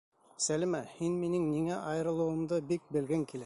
Сәлимә, һин минең ниңә айырылыуымды бик белгең килә.